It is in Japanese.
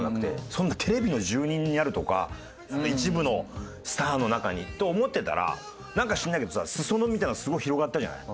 そんなテレビの住人になるとか一部のスターの中にと思ってたらなんか知らないけどさ裾野みたいなのすごい広がったじゃない。